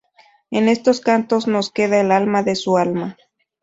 En estos cantos nos queda el alma de su alma.